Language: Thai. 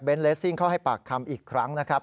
เลสซิ่งเข้าให้ปากคำอีกครั้งนะครับ